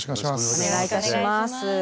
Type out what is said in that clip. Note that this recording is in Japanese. お願いいたします。